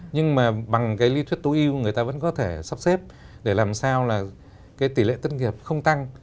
nhưng mà bằng cái lý thuyết tối ưu người ta vẫn có thể sắp xếp để làm sao là cái tỷ lệ thất nghiệp không tăng